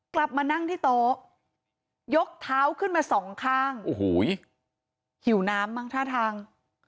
กลับมานั่งที่โต๊ะยกเท้าขึ้นมาสองข้างโอ้โหหิวน้ำมั้งท่าทาง